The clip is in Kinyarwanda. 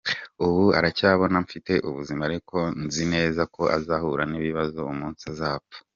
Ubu aracyambona mfite ubuzima ariko nzi neza ko azahura n’ibibazo umunsi nzapfa.